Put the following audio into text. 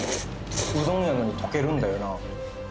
うどんやのに溶けるんだよな